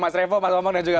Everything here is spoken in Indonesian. mas revo mas omongnya juga